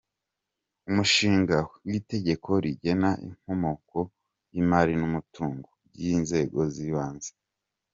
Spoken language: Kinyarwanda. Umushinga w’Itegeko rigena inkomoko y’imari n’umutungo by’Inzego z’ibanze;.